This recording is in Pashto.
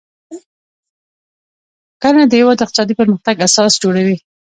کرنه د هیواد د اقتصادي پرمختګ اساس جوړوي.